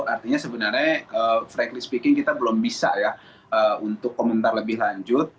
artinya sebenarnya frankly speaking kita belum bisa ya untuk komentar lebih lanjut